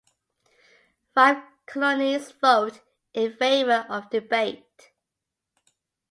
Five colonies vote in favor of debate.